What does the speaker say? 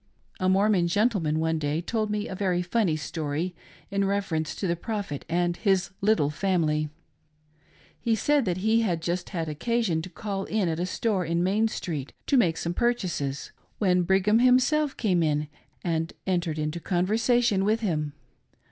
A Mormon gentleman one day told me a very funny story in reference to the Prophet and his little family. He said that he had just had occasion to call in at a store in Main street, to make some purchases, when Brigham himself came in and entered into conversation with him.